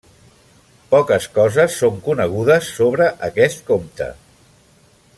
Poques coses són conegudes sobre aquest comte.